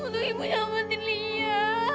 untuk ibunya mati lia